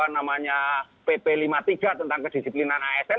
namanya pp lima puluh tiga tentang kedisiplinan asn